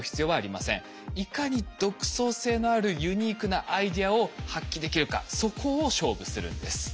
いかに独創性のあるユニークなアイデアを発揮できるかそこを勝負するんです。